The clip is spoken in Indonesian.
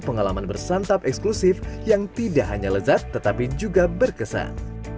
pengalaman bersantap eksklusif yang tidak hanya lezat tetapi juga berkesan